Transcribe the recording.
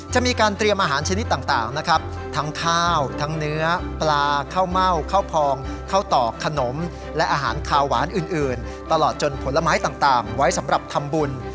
จะมีการเตรียมอาหารชนิดต่างนะครับทั้งข้าวทั้งเนื้อปลาข้าวเม่าข้าวพองข้าวต่อขนมและอาหารขาวหวานอื่นตลอดจนผลไม้ต่างไว้สำหรับทำบุญ